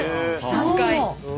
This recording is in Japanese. ３回。